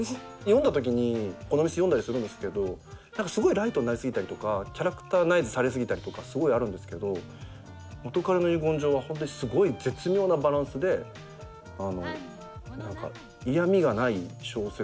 読んだときに『このミス』読んだりするんですけどすごいライトになり過ぎたりとかキャラクタライズされ過ぎたりとかすごいあるんですけど『元彼の遺言状』はホントにすごい絶妙なバランスで嫌みがない小説